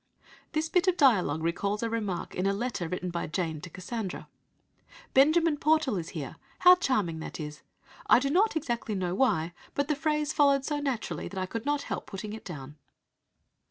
'" This bit of dialogue recalls a remark in a letter written by Jane to Cassandra: "Benjamin Portal is here. How charming that is! I do not exactly know why, but the phrase followed so naturally that I could not help putting it down."